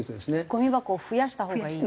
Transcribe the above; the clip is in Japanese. ごみ箱を増やしたほうがいい？